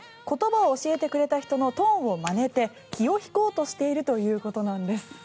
言葉を教えてくれたトーンをまねて気を引こうとしているということなんです。